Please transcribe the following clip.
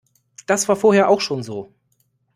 Das war vorher auch schon so.